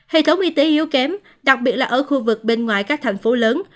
hệ thống y tế yếu kém đặc biệt là ở khu vực bên ngoài các thành phố lớn